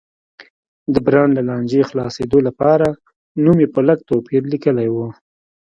د برانډ له لانجې خلاصېدو لپاره نوم یې په لږ توپیر لیکلی و.